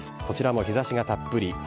こちらも日ざしがたっぷり。